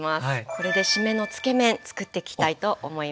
これで“締め”のつけ麺つくっていきたいと思います。